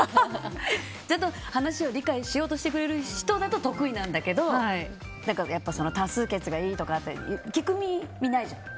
ちゃんと話を理解しようとしてくれる人だと得意なんだけど多数決がいいとかって聞く耳ないじゃない。